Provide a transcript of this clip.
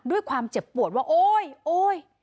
ด้วยความเจ็บปวดว่าโอ๊ยโอ๊ย